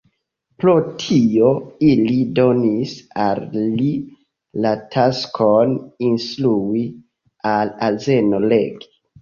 Pro tio ili donis al li la taskon instrui al azeno legi.